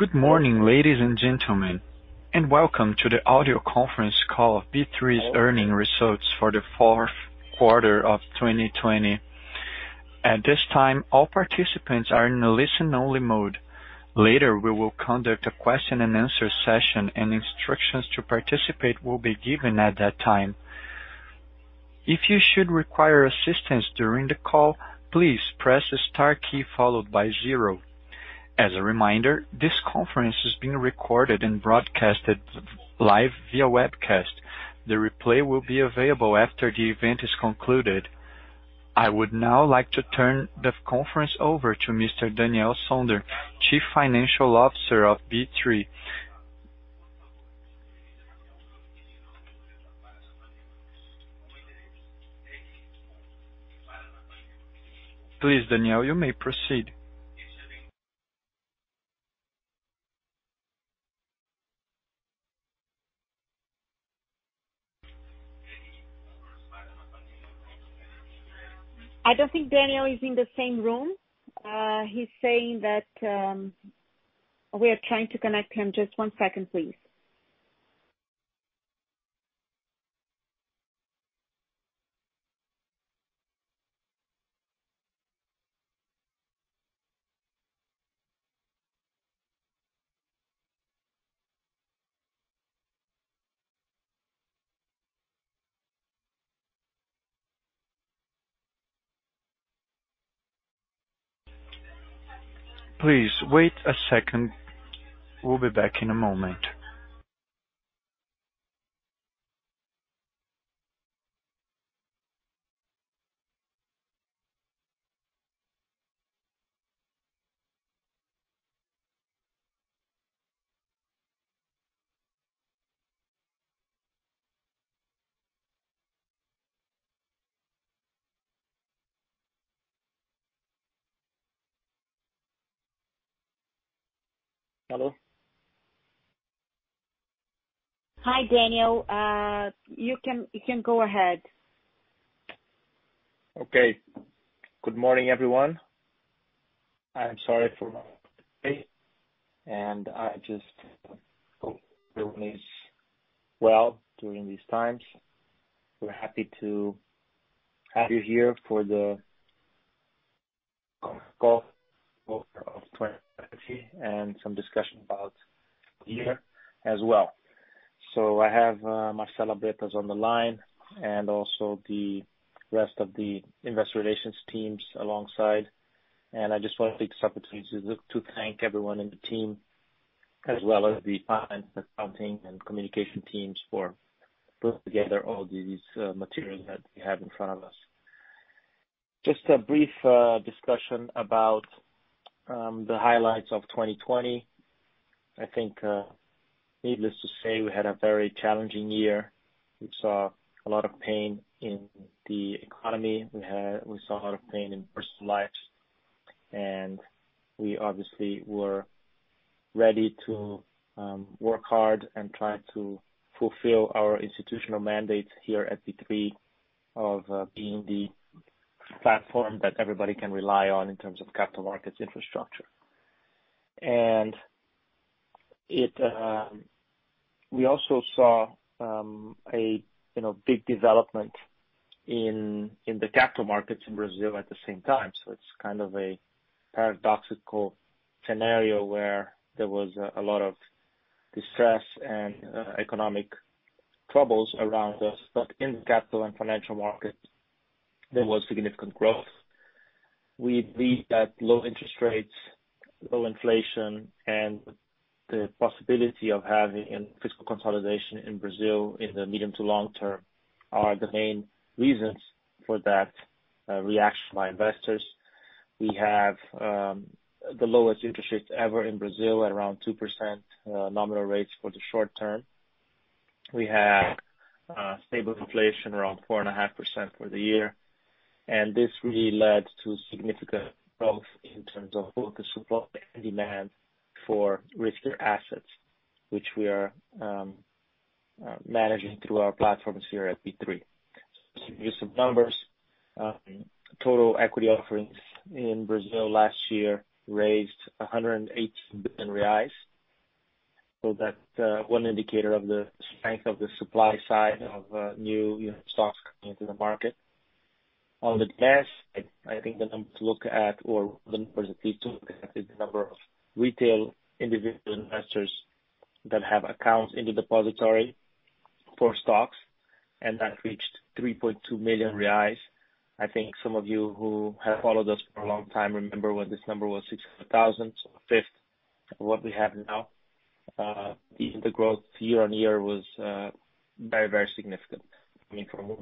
Good morning, ladies and gentlemen, and welcome to the audio conference call of B3's earnings results for the fourth quarter of 2020. At this time, all participants are in a listen-only mode. Later, we will conduct a question-and-answer session, and instructions to participate will be given at that time. If you should require assistance during the call, please press the star key followed by zero. As a reminder, this conference is being recorded and broadcasted live via webcast. The replay will be available after the event is concluded. I would now like to turn the conference over to Mr. Daniel Sonder, Chief Financial Officer of B3. Please, Daniel, you may proceed. I don't think Daniel is in the same room. He is saying that we are trying to connect him. Just one second, please. Please wait a second. We'll be back in a moment. Hello? Hi, Daniel. You can go ahead. Okay. Good morning, everyone. I'm sorry for my delay. I just hope everyone is well during these times. We're happy to have you here for the call of 2020 and some discussion about the year as well. I have Marcela Bretas on the line and also the rest of the investor relations teams alongside. I just want to take this opportunity to thank everyone in the team, as well as the finance, accounting, and communication teams for putting together all these materials that we have in front of us. Just a brief discussion about the highlights of 2020. I think needless to say, we had a very challenging year. We saw a lot of pain in the economy. We saw a lot of pain in personal lives. We obviously were ready to work hard and try to fulfill our institutional mandates here at B3 of being the platform that everybody can rely on in terms of capital markets infrastructure. We also saw a big development in the capital markets in Brazil at the same time. It's kind of a paradoxical scenario where there was a lot of distress and economic troubles around us, but in the capital and financial markets, there was significant growth. We believe that low interest rates, low inflation, and the possibility of having a fiscal consolidation in Brazil in the medium to long term are the main reasons for that reaction by investors. We have the lowest interest rates ever in Brazil at around 2% nominal rates for the short term. We have stable inflation around 4.5% for the year. This really led to significant growth in terms of both the supply and demand for riskier assets, which we are managing through our platforms here at B3. Just some numbers. Total equity offerings in Brazil last year raised 118 billion reais. That's one indicator of the strength of the supply side of new stocks coming into the market. On the demand side, I think the number to look at, or one of the numbers at least to look at, is the number of retail individual investors that have accounts in the depository for stocks. That reached 3.2 million. I think some of you who have followed us for a long time remember when this number was 600,000, a fifth of what we have now. Even the growth year-over-year was very significant. I mean, from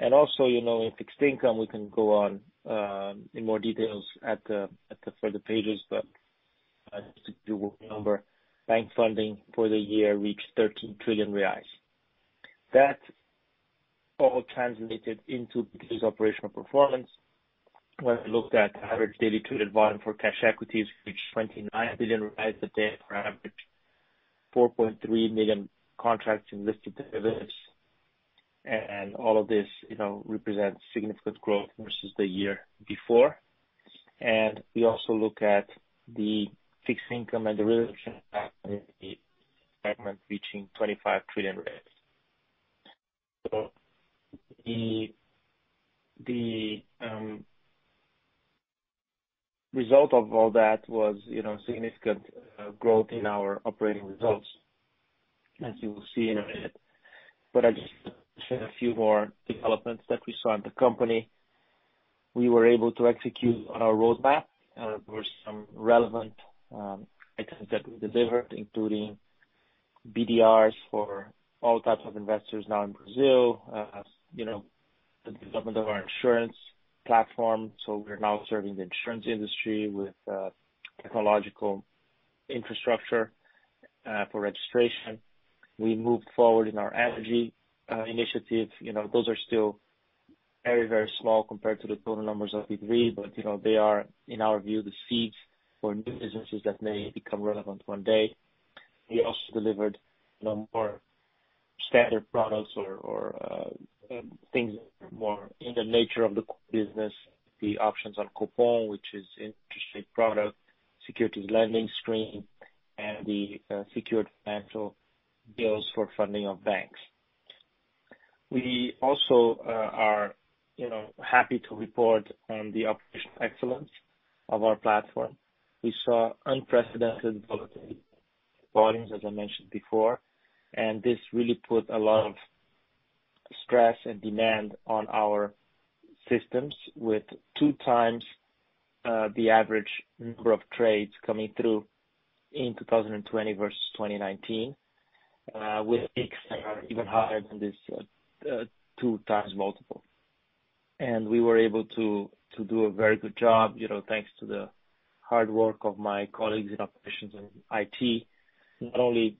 0.7-2.2. Also in fixed income, we can go on in more details at the further pages, but just a few numbers. Bank funding for the year reached 13 trillion reais. That all translated into B3's operational performance. When we looked at average daily traded volume for cash equities reached 29 billion a day on average, 4.3 million contracts in listed derivatives. All of this represents significant growth versus the year before. We also look at the fixed income and the reduction in the segment reaching 25 trillion. The result of all that was significant growth in our operating results, as you will see in a minute. I'll just share a few more developments that we saw in the company. We were able to execute on our roadmap. There were some relevant items that we delivered, including BDRs for all types of investors now in Brazil. The development of our insurance platform, so we're now serving the insurance industry with technological infrastructure for registration. We moved forward in our energy initiative. Those are still very small compared to the total numbers of B3, but they are, in our view, the seeds for new businesses that may become relevant one day. We also delivered more standard products or things more in the nature of the business, the options on Copom, which is an interesting product, Securities Lending stream, and the Letras Financeiras Garantidas for funding of banks. We also are happy to report on the operational excellence of our platform. We saw unprecedented volatility volumes, as I mentioned before. This really put a lot of stress and demand on our systems with 2x the average number of trades coming through in 2020 versus 2019, with peaks that are even higher than this 2x multiple. We were able to do a very good job, thanks to the hard work of my colleagues in operations and IT, not only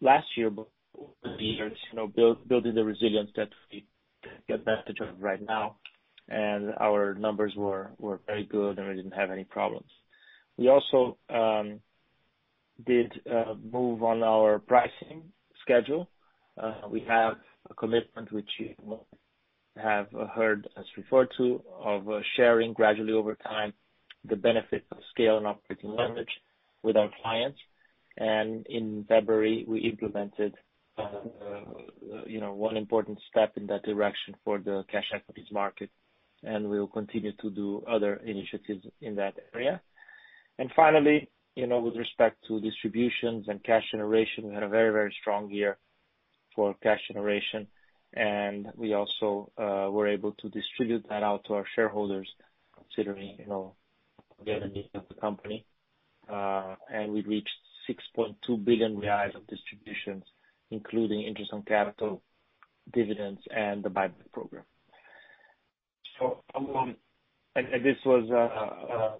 last year, but over the years, building the resilience that we get the advantage of right now. Our numbers were very good, and we didn't have any problems. We also did move on our pricing schedule. We have a commitment, which you will have heard us refer to, of sharing gradually over time the benefit of scale and operating leverage with our clients. In February, we implemented one important step in that direction for the cash equities market, and we will continue to do other initiatives in that area. Finally, with respect to distributions and cash generation, we had a very strong year for cash generation. We also were able to distribute that out to our shareholders, considering the needs of the company. We reached 6.2 billion reais of distributions, including interest on capital dividends and the buyback program. This was in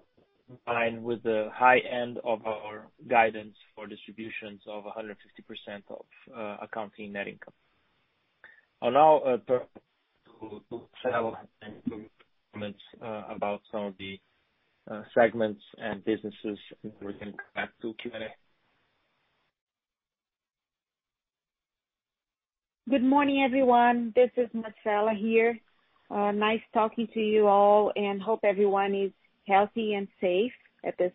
line with the high end of our guidance for distributions of 150% of accounting net income. I'll now turn to Marcela to make comments about some of the segments and businesses, and we can come back to Q&A. Good morning, everyone. This is Marcela here. Nice talking to you all, and hope everyone is healthy and safe at this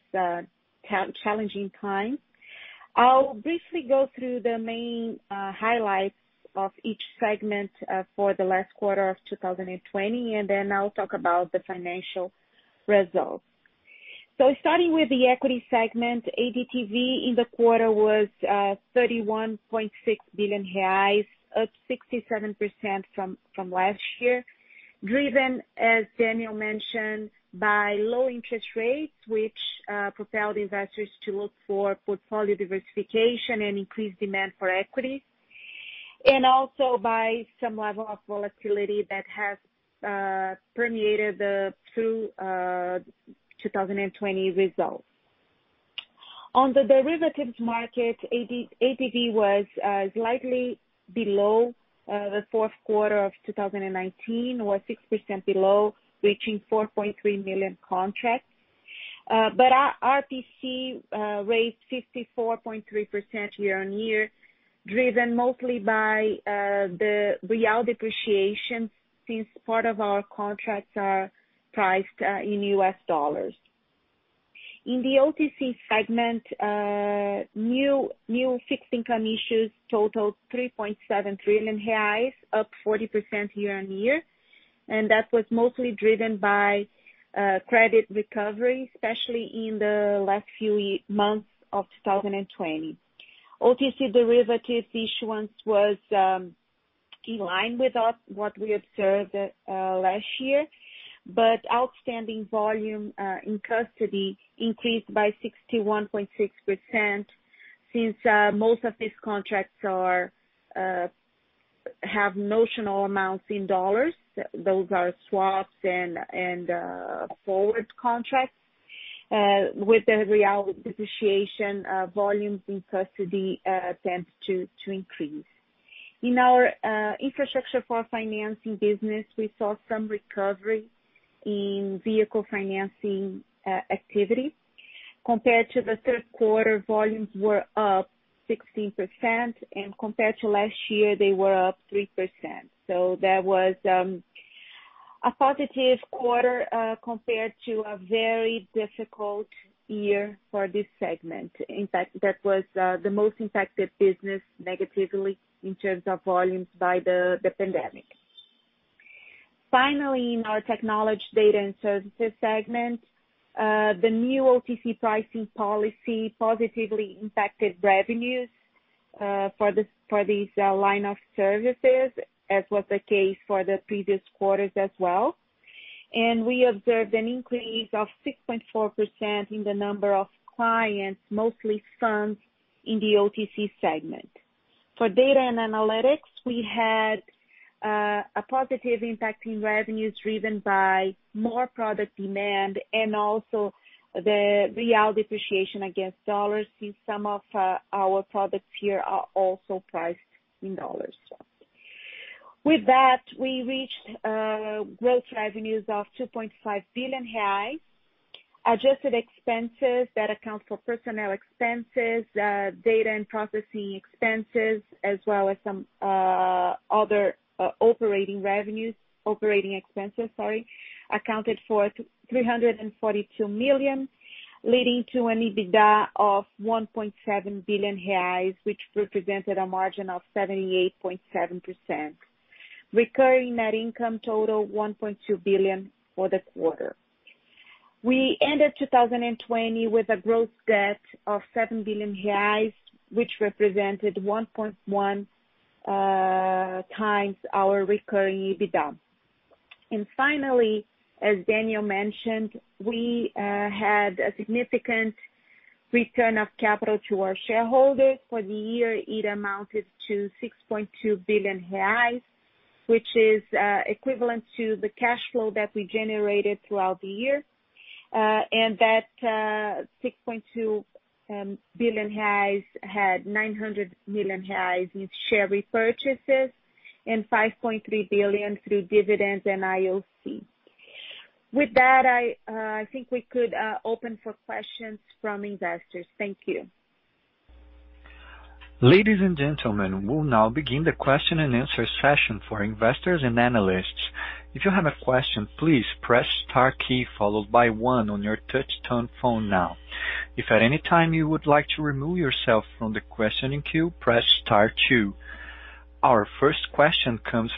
challenging time. I'll briefly go through the main highlights of each segment for the last quarter of 2020, and then I'll talk about the financial results. Starting with the equity segment, ADTV in the quarter was 31.6 billion reais, up 67% from last year. Driven, as Daniel mentioned, by low interest rates, which propelled investors to look for portfolio diversification and increased demand for equity, and also by some level of volatility that has permeated through 2020 results. On the derivatives market, ADTV was slightly below the fourth quarter of 2019, or 6% below, reaching 4.3 million contracts. Our RPC raised 54.3% year-on-year, driven mostly by the Real depreciation since part of our contracts are priced in U.S. dollars. In the OTC segment, new fixed income issues totaled 3.7 trillion reais, up 40% year-on-year. That was mostly driven by credit recovery, especially in the last few months of 2020. OTC derivatives issuance was in line with what we observed last year. Outstanding volume in custody increased by 61.6%. Since most of these contracts have notional amounts in USD, those are swaps and forward contracts. With the BRL depreciation, volumes in custody tend to increase. In our infrastructure for financing business, we saw some recovery in vehicle financing activity. Compared to the third quarter, volumes were up 16%. Compared to last year, they were up 3%. That was a positive quarter compared to a very difficult year for this segment. In fact, that was the most impacted business negatively in terms of volumes by the pandemic. Finally, in our technology data and services segment, the new OTC pricing policy positively impacted revenues for this line of services, as was the case for the previous quarters as well. We observed an increase of 6.4% in the number of clients, mostly funds in the OTC segment. For data and analytics, we had a positive impact in revenues driven by more product demand and also the Real depreciation against USD, since some of our products here are also priced in USD. With that, we reached gross revenues of 2.5 billion. Adjusted expenses, that accounts for personnel expenses, data and processing expenses, as well as some other operating expenses accounted for 342 million, leading to an EBITDA of 1.7 billion, which represented a margin of 78.7%. Recurring net income total 1.2 billion for the quarter. We ended 2020 with a gross debt of 7 billion reais, which represented 1.1 times our recurring EBITDA. Finally, as Daniel mentioned, we had a significant return of capital to our shareholders. For the year, it amounted to 6.2 billion reais, which is equivalent to the cash flow that we generated throughout the year. That 6.2 billion had 900 million in share repurchases and 5.3 billion through dividends and IOC. With that, I think we could open for questions from investors. Thank you. Ladies and gentlemen, we'll now begin the question-and-answer session for investors and analysts. Our first question comes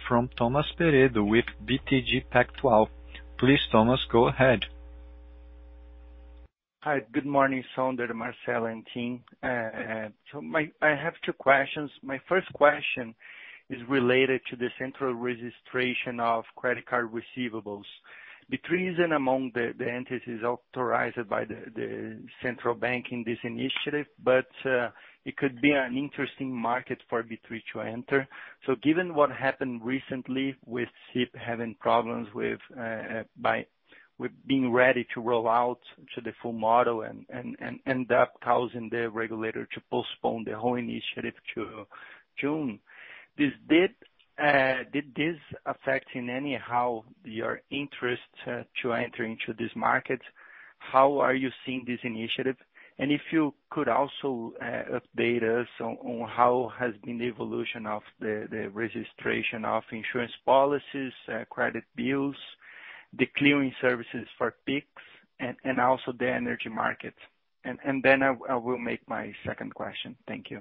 from Thomas Peredo with BTG Pactual. Please Thomas, go ahead. Hi, good morning, Sonder, Marcela and team. I have two questions. My first question is related to the central registration of credit card receivables. B3 isn't among the entities authorized by the Central Bank in this initiative, it could be an interesting market for B3 to enter. Given what happened recently with CIP having problems with being ready to roll out to the full model and end up causing the regulator to postpone the whole initiative to June, did this affect in any how your interest to enter into this market? How are you seeing this initiative? If you could also update us on how has been the evolution of the registration of insurance policies, credit bills, the clearing services for Pix, and also the energy market. I will make my second question. Thank you.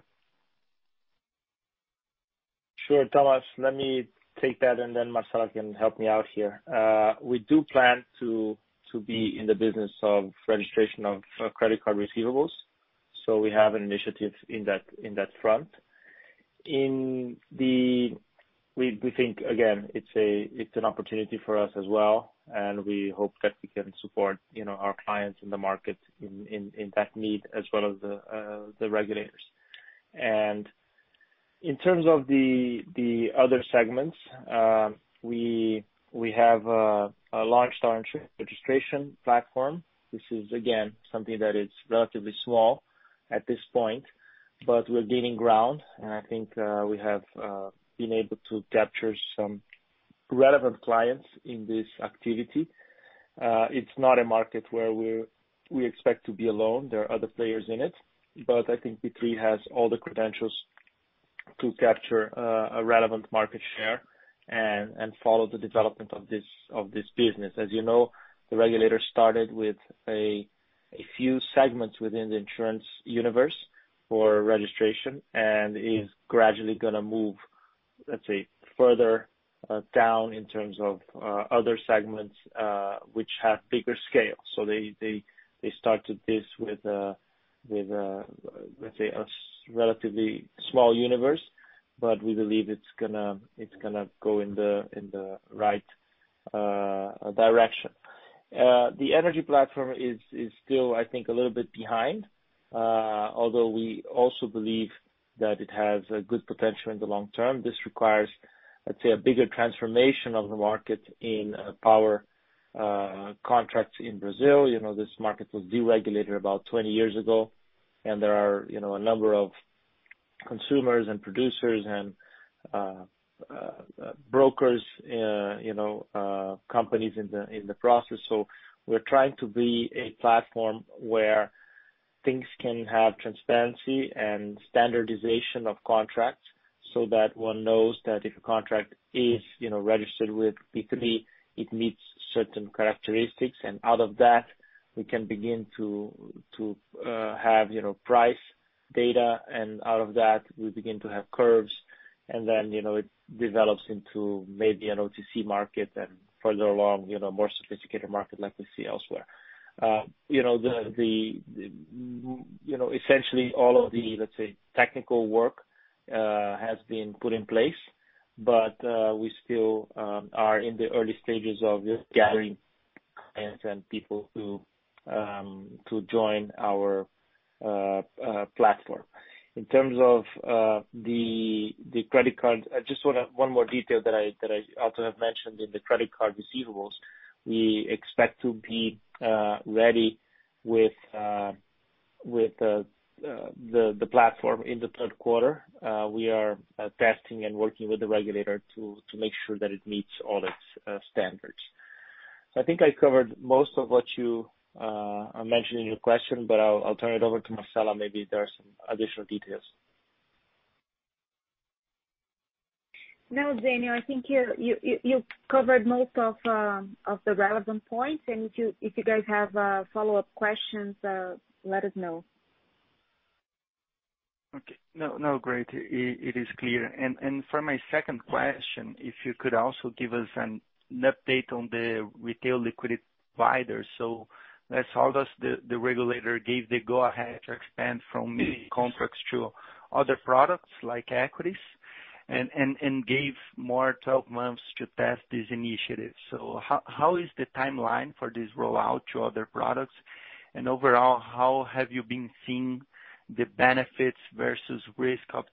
Sure. Thomas, let me take that and then Marcela can help me out here. We do plan to be in the business of registration of credit card receivables. We have initiatives in that front. We think, again, it's an opportunity for us as well, and we hope that we can support our clients in the market in that need as well as the regulators. In terms of the other segments, we have a large insurance registration platform. This is, again, something that is relatively small at this point, but we're gaining ground. I think we have been able to capture some relevant clients in this activity. It's not a market where we expect to be alone. There are other players in it. I think B3 has all the credentials to capture a relevant market share and follow the development of this business. As you know, the regulator started with a few segments within the insurance universe for registration and is gradually going to move, let's say, further down in terms of other segments, which have bigger scale. They started this with, let's say, a relatively small universe, but we believe it's gonna go in the right direction. The energy platform is still, I think, a little bit behind. Although we also believe that it has a good potential in the long term. This requires, let's say, a bigger transformation of the market in power contracts in Brazil. This market was deregulated about 20 years ago, and there are a number of Consumers and producers and brokers, companies in the process. We're trying to be a platform where things can have transparency and standardization of contracts, so that one knows that if a contract is registered with B3, it meets certain characteristics. Out of that, we can begin to have price data. Out of that, we begin to have curves. Then it develops into maybe an OTC market and further along, more sophisticated market like we see elsewhere. Essentially all of the, let's say, technical work has been put in place, but we still are in the early stages of just gathering clients and people to join our platform. In terms of the credit card, just one more detail that I also have mentioned in the credit card receivables. We expect to be ready with the platform in the third quarter. We are testing and working with the regulator to make sure that it meets all its standards. I think I covered most of what you mentioned in your question, but I'll turn it over to Marcela. Maybe there are some additional details. No, Daniel, I think you covered most of the relevant points, and if you guys have follow-up questions, let us know. Okay. No, great. It is clear. For my second question, if you could also give us an update on the retail liquidity providers. Last August, the regulator gave the go-ahead to expand from mini contracts to other products like equities and gave more 12 months to test this initiative. How is the timeline for this rollout to other products? Overall, how have you been seeing the benefits versus risk of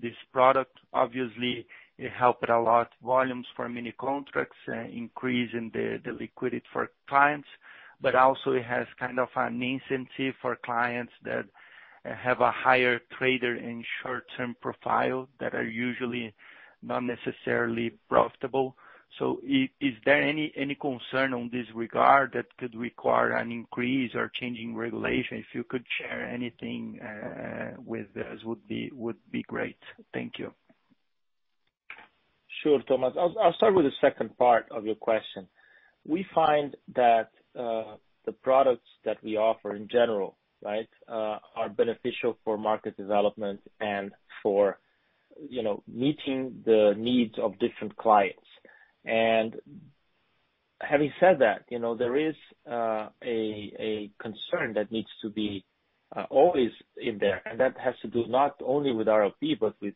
this product? Obviously, it helped a lot volumes for mini contracts, increase in the liquidity for clients. Also it has kind of an incentive for clients that have a higher trader and short-term profile that are usually not necessarily profitable. Is there any concern on this regard that could require an increase or changing regulation? If you could share anything with us, would be great. Thank you. Sure, Thomas. I'll start with the second part of your question. We find that the products that we offer in general are beneficial for market development and for meeting the needs of different clients. Having said that, there is a concern that needs to be always in there, and that has to do not only with RLP but with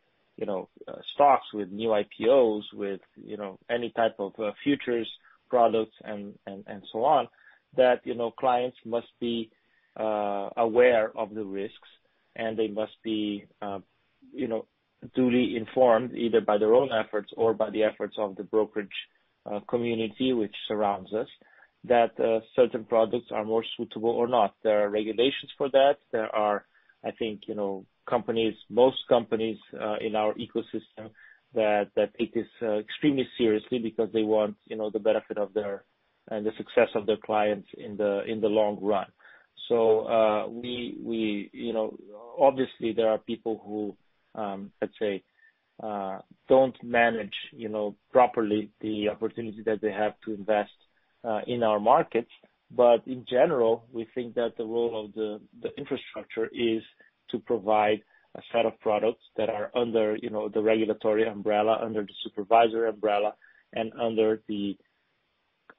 stocks, with new IPOs, with any type of futures products and so on, that clients must be aware of the risks, and they must be duly informed, either by their own efforts or by the efforts of the brokerage community which surrounds us, that certain products are more suitable or not. There are regulations for that. There are, I think, most companies in our ecosystem that take this extremely seriously because they want the benefit and the success of their clients in the long run. Obviously there are people who, let's say, don't manage properly the opportunity that they have to invest in our markets. In general, we think that the role of the infrastructure is to provide a set of products that are under the regulatory umbrella, under the supervisory umbrella, and under the,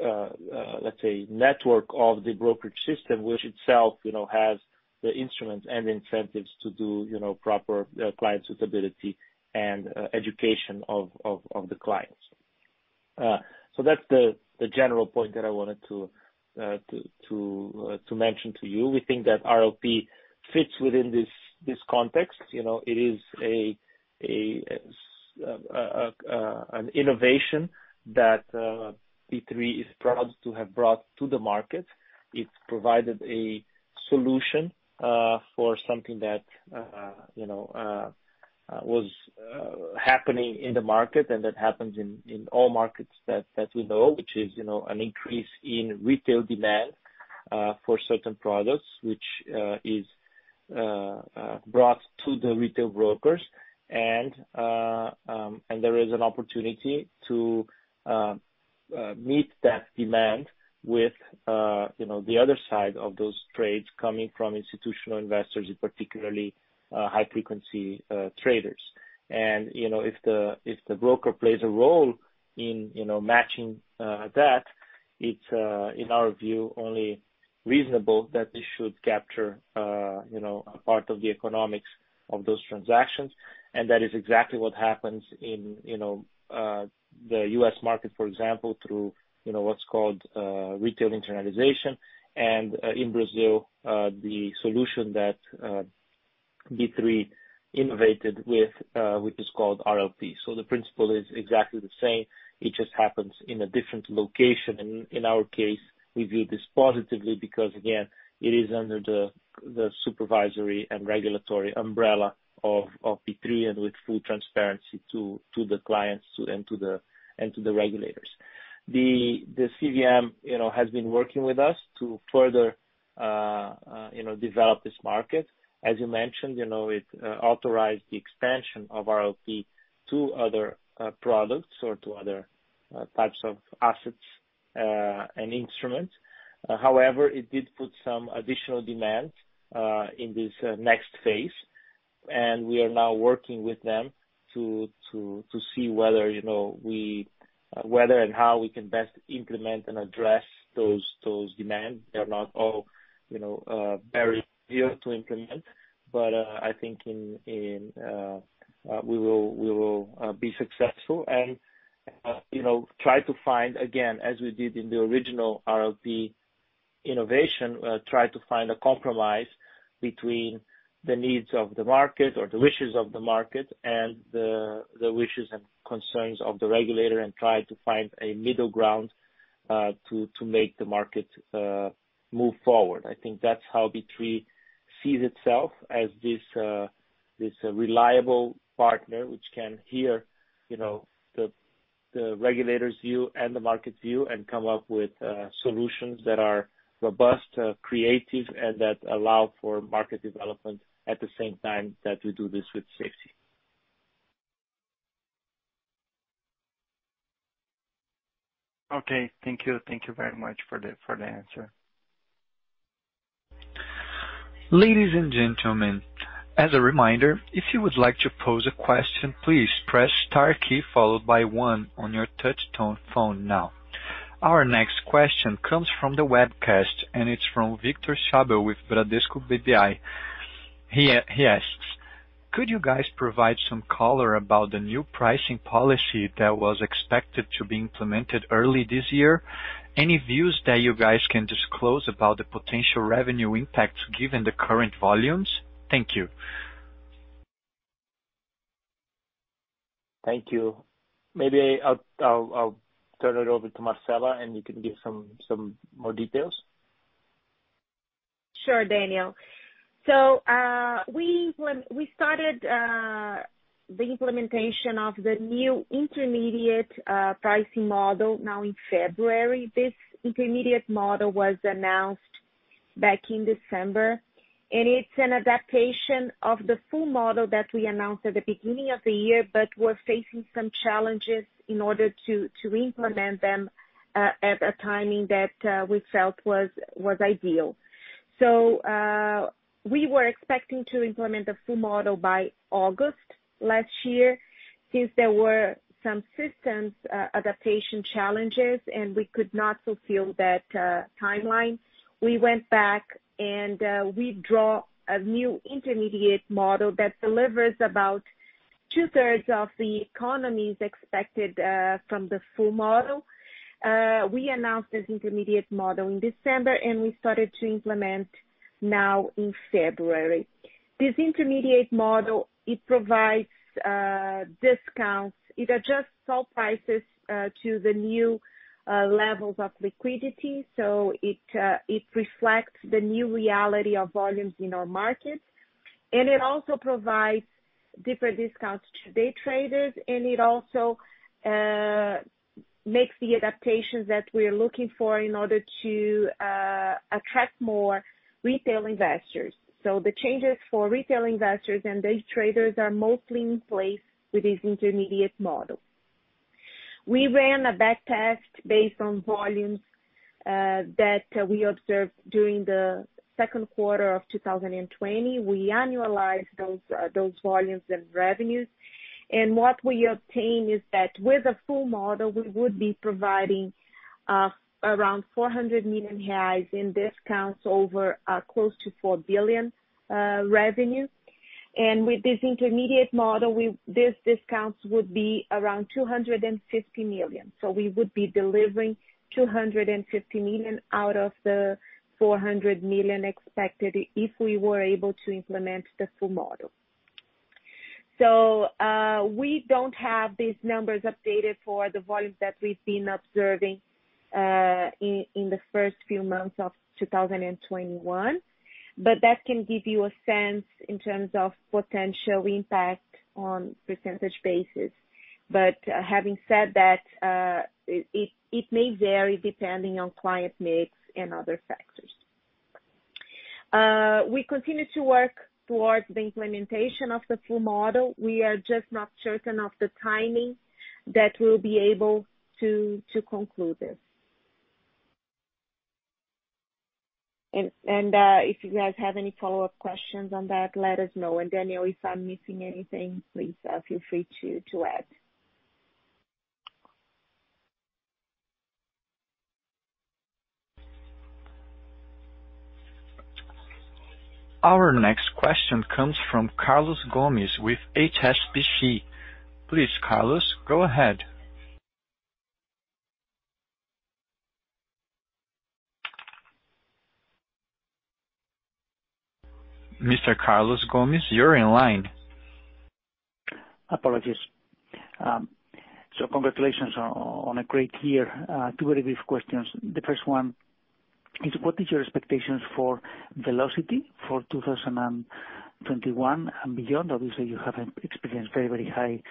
let's say, network of the brokerage system, which itself has the instruments and incentives to do proper client suitability and education of the clients. That's the general point that I wanted to mention to you. We think that RLP fits within this context. It is an innovation that B3 is proud to have brought to the market. It's provided a solution for something that was happening in the market and that happens in all markets that we know, which is an increase in retail demand for certain products, which is brought to the retail brokers. There is an opportunity to meet that demand with the other side of those trades coming from institutional investors, particularly high-frequency traders. If the broker plays a role in matching that, it's, in our view, only reasonable that they should capture a part of the economics of those transactions. That is exactly what happens in the U.S. market, for example, through what's called retail internalization and in Brazil the solution that B3 innovated with, which is called RLP. The principle is exactly the same, it just happens in a different location. In our case, we view this positively because, again, it is under the supervisory and regulatory umbrella of B3 and with full transparency to the clients and to the regulators. The CVM has been working with us to further develop this market. As you mentioned, it authorized the expansion of RLP to other products or to other types of assets and instruments. It did put some additional demands in this next phase, and we are now working with them to see whether and how we can best implement and address those demands. They're not all very clear to implement. I think we will be successful and try to find, again, as we did in the original RLP innovation, try to find a compromise between the needs of the market or the wishes of the market and the wishes and concerns of the regulator, and try to find a middle ground to make the market move forward. I think that's how B3 sees itself as this reliable partner which can hear the regulator's view and the market's view and come up with solutions that are robust, creative, and that allow for market development at the same time that we do this with safety. Okay. Thank you. Thank you very much for the answer. Ladies and gentlemen, as a reminder, if you would like to pose a question, please press star key followed by one on your touch tone phone now. Our next question comes from the webcast, and it's from Victor Schabbel with Bradesco BBI. He asks, "Could you guys provide some color about the new pricing policy that was expected to be implemented early this year? Any views that you guys can disclose about the potential revenue impacts given the current volumes? Thank you. Thank you. Maybe I'll turn it over to Marcela. You can give some more details. Sure, Daniel. We started the implementation of the new intermediate pricing model now in February. This intermediate model was announced back in December, and it's an adaptation of the full model that we announced at the beginning of the year, but we're facing some challenges in order to implement them at a timing that we felt was ideal. We were expecting to implement the full model by August last year. Since there were some systems adaptation challenges, and we could not fulfill that timeline, we went back and we draw a new intermediate model that delivers about 2/3 of the economies expected from the full model. We announced this intermediate model in December, and we started to implement now in February. This intermediate model, it provides discounts. It adjusts all prices to the new levels of liquidity. It reflects the new reality of volumes in our market, and it also provides different discounts to day traders, and it also makes the adaptations that we're looking for in order to attract more retail investors. The changes for retail investors and day traders are mostly in place with this intermediate model. We ran a back test based on volumes that we observed during the second quarter of 2020. We annualized those volumes and revenues. What we obtain is that with a full model, we would be providing around 400 million reais in discounts over close to 4 billion revenue. With this intermediate model, these discounts would be around 250 million. We would be delivering 250 million out of the 400 million expected if we were able to implement the full model. We don't have these numbers updated for the volumes that we've been observing in the first few months of 2021. That can give you a sense in terms of potential impact on percentage basis. Having said that, it may vary depending on client mix and other factors. We continue to work towards the implementation of the full model. We are just not certain of the timing that we'll be able to conclude this. If you guys have any follow-up questions on that, let us know. Daniel, if I'm missing anything, please feel free to add. Our next question comes from Carlos Gomez-Lopez with HSBC. Please, Carlos, go ahead. Mr. Carlos Gomez-Lopez, you're in line. Apologies. Congratulations on a great year. Two very brief questions. The first one is, what is your expectations for velocity for 2021 and beyond? Obviously, you have experienced very high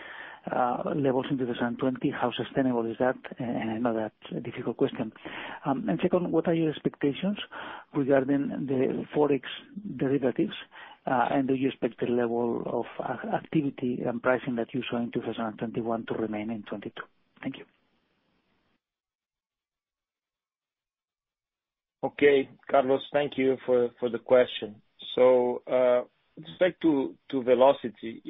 levels in 2020. How sustainable is that? I know that's a difficult question. Second, what are your expectations regarding the FX derivatives? Do you expect the level of activity and pricing that you saw in 2021 to remain in 2022? Thank you. Okay. Carlos, thank you for the question. With respect to velocity,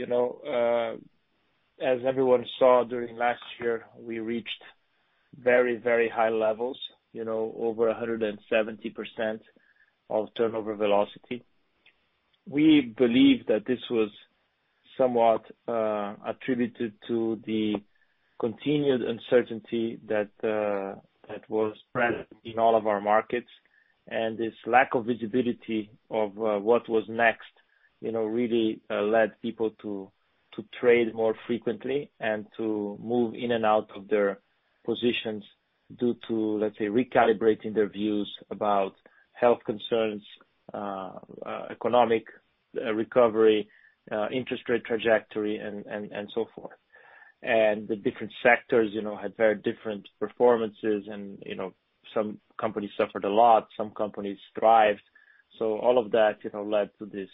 as everyone saw during last year, we reached very high levels, over 170% of turnover velocity. We believe that this was somewhat attributed to the continued uncertainty that was present in all of our markets. This lack of visibility of what was next really led people to trade more frequently and to move in and out of their positions due to, let's say, recalibrating their views about health concerns, economic recovery, interest rate trajectory, and so forth. The different sectors had very different performances and some companies suffered a lot, some companies thrived. All of that led to this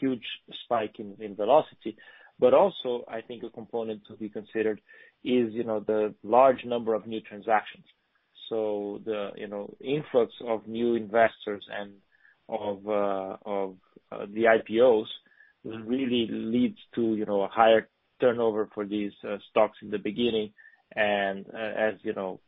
huge spike in velocity. Also, I think a component to be considered is the large number of new transactions. The influx of new investors and of the IPOs really leads to a higher turnover for these stocks in the beginning and as original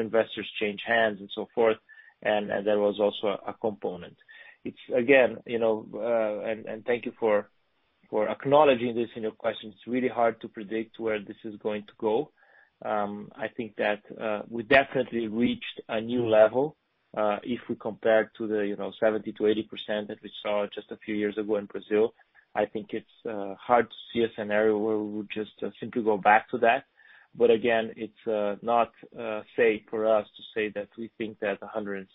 investors change hands and so forth, and that was also a component. Thank you for acknowledging this in your question. It's really hard to predict where this is going to go. I think that we definitely reached a new level if we compare to the 70%-80% that we saw just a few years ago in Brazil. I think it's hard to see a scenario where we would just simply go back to that. Again, it's not safe for us to say that we think that 170+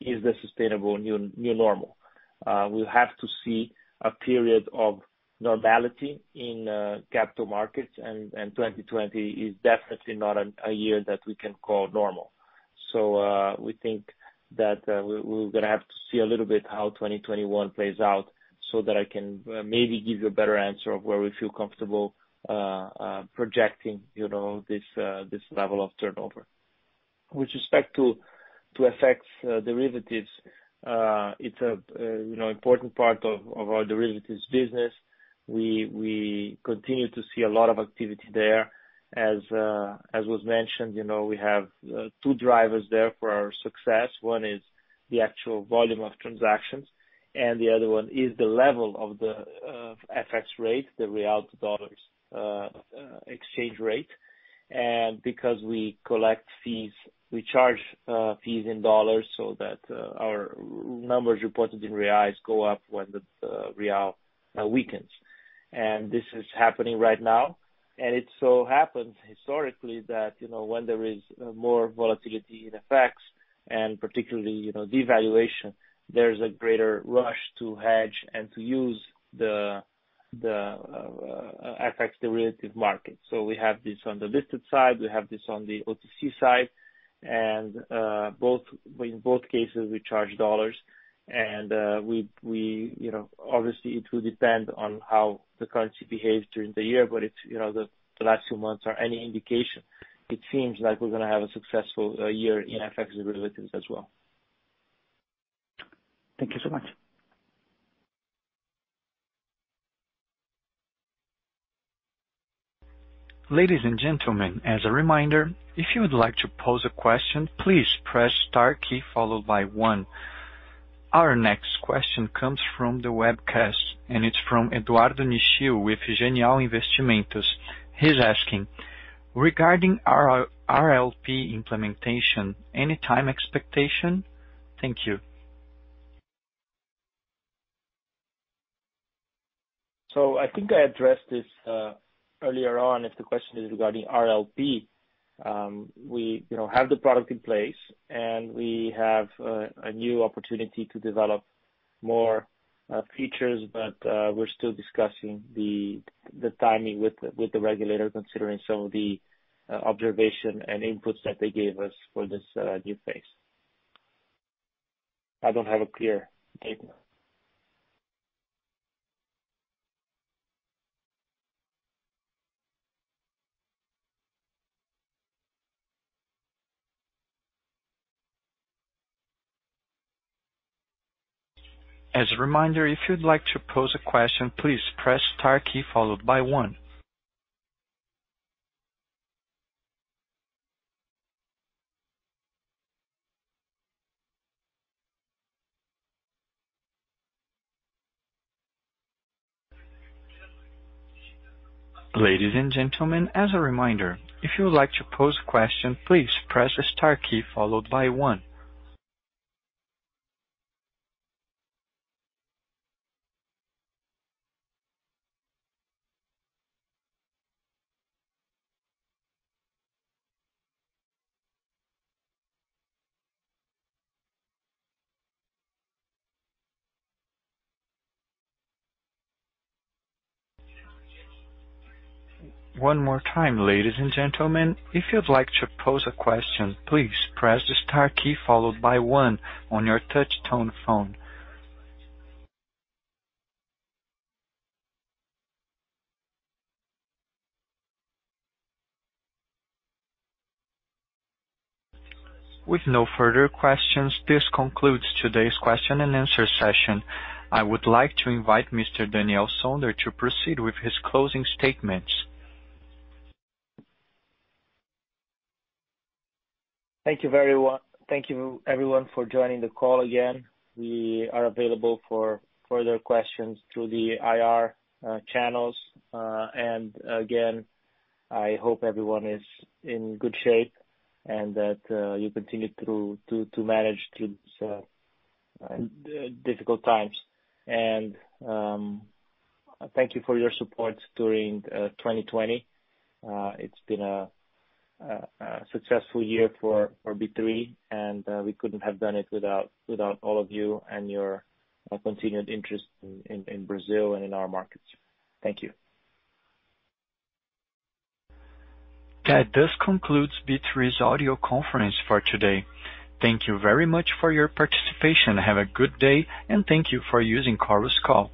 is the sustainable new normal. We'll have to see a period of normality in capital markets, and 2020 is definitely not a year that we can call normal. We think that we're going to have to see a little bit how 2021 plays out so that I can maybe give you a better answer of where we feel comfortable projecting this level of turnover. With respect to FX derivatives, it's an important part of our derivatives business. We continue to see a lot of activity there. As was mentioned, we have two drivers there for our success. One is the actual volume of transactions, and the other one is the level of the FX rate, the BRL to U.S. dollars exchange rate. Because we charge fees in U.S. dollars so that our numbers reported in BRL go up when the BRL weakens. This is happening right now, and it so happens historically that when there is more volatility in FX and particularly devaluation, there's a greater rush to hedge and to use the FX derivative market. We have this on the listed side, we have this on the OTC side. In both cases, we charge dollars and obviously it will depend on how the currency behaves during the year, but if the last two months are any indication, it seems like we are going to have a successful year in FX derivatives as well. Thank you so much. Ladies and gentlemen, as a reminder, if you would like to pose a question, please press star key followed by one. Our next question comes from the webcast, and it's from Eduardo Nishio with Genial Investimentos. He's asking, "Regarding RLP implementation, any time expectation? Thank you. I think I addressed this earlier on, if the question is regarding RLP. We have the product in place, and we have a new opportunity to develop more features. We're still discussing the timing with the regulator, considering some of the observation and inputs that they gave us for this new phase. I don't have a clear date. With no further questions, this concludes today's question-and-answer session. I would like to invite Mr. Daniel Sonder to proceed with his closing statements. Thank you, everyone, for joining the call again. We are available for further questions through the IR channels. Again, I hope everyone is in good shape and that you continue to manage through these difficult times. Thank you for your support during 2020. It's been a successful year for B3, and we couldn't have done it without all of you and your continued interest in Brazil and in our markets. Thank you. That does conclude B3's audio conference for today. Thank you very much for your participation. Have a good day, and thank you for using Chorus Call.